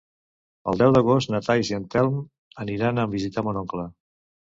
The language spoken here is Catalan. El deu d'agost na Thaís i en Telm aniran a visitar mon oncle.